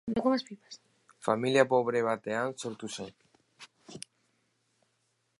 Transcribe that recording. Familia pobre batean sortu zen.